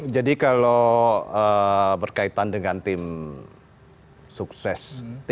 jadi kalau berkaitan dengan tim sukses tim kampanye nanti